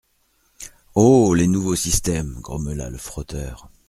Oh ! les nouveaux systèmes …» grommela le frotteur.